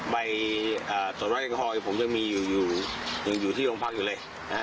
ใบตรวจแอลกอฮอล์ผมยังมีอยู่อยู่ยังอยู่ที่โรงพักษณ์อยู่เลยนะ